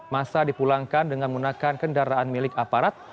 masa dipulangkan dengan menggunakan kendaraan milik aparat